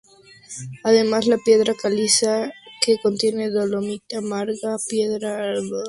Además de piedra caliza, que contienen dolomita, marga, piedra arenisca y similares.